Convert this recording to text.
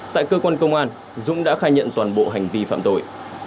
tại cơ quan công an dũng đã khai nhận toàn bộ hành vi phạm tội